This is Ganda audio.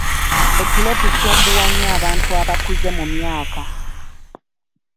Otulo tusumbuwa nnyo abantu abakuze mu myaka.